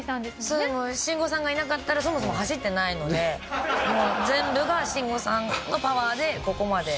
そうもう慎吾さんがいなかったらそもそも走ってないので全部が慎吾さんのパワーでここまで。